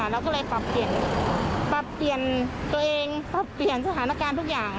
เราก็เลยปรับเปลี่ยนตัวเองปรับเปลี่ยนสถานการณ์ทุกอย่าง